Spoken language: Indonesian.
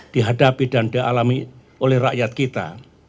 dihadapi dan dialami oleh rakyat kita